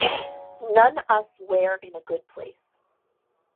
None us where in a good place.